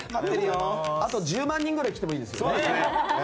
あと１０万人ぐらい来てもいいですよ。